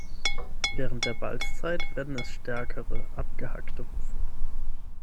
Während der Balzzeit werden es stärkere abgehackte Rufe.